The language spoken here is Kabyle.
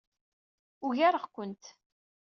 Ugareɣ-kent.